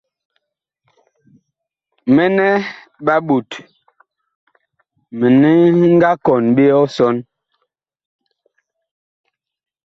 Mɛnɛ ɓa ɓot mini nga kɔn ɓe ɔsɔn.